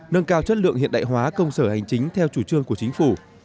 nâng cao chất lượng hiện đại hóa công sở hành chính theo chủ trương của chính phủ